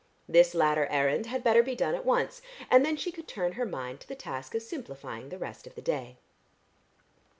This latter errand had better be done at once, and then she could turn her mind to the task of simplifying the rest of the day.